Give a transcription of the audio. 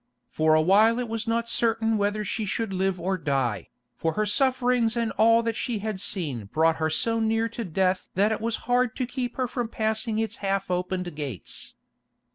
For a while it was not certain whether she should live or die, for her sufferings and all that she had seen brought her so near to death that it was hard to keep her from passing its half opened gates.